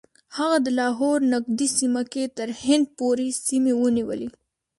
هغه د لاهور نږدې سیمه کې تر هند پورې سیمې ونیولې.